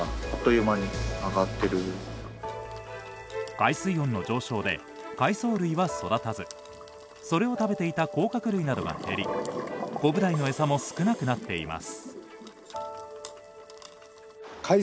海水温の上昇で海藻類は育たずそれを食べていた甲殻類などが減りコブダイの餌も少なくなっています。